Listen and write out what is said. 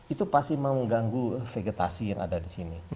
itu pasti mengganggu vegetasi yang ada disini